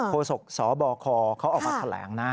โศกสบคเขาออกมาแถลงนะ